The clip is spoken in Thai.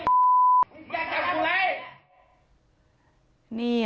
โพสต์เอาไว้ในเฟซบุ๊กนะคะ